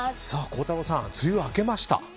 孝太郎さん、梅雨明けました。